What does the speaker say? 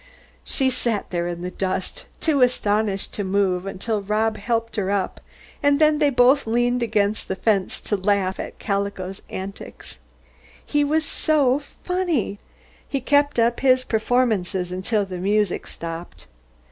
She sat there in the dust, too astonished to move, until Rob helped her up, and then they both leaned against the fence to laugh at Calico's antics. He was so funny. He kept up his performances until the music stopped.